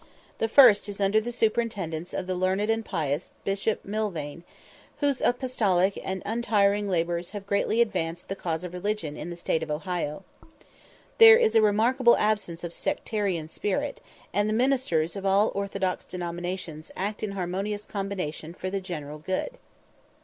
The first is under the superintendence of the learned and pious Bishop M'Ilvaine, whose apostolic and untiring labours have greatly advanced the cause of religion in the State of Ohio. There is a remarkable absence of sectarian spirit, and the ministers of all orthodox denominations act in harmonious combination for the general good.